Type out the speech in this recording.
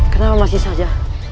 kenapa masih saja